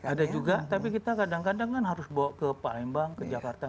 ada juga tapi kita kadang kadang kan harus bawa ke palembang ke jakarta